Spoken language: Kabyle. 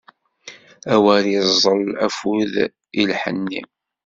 Awer iẓẓel afud i lḥenni!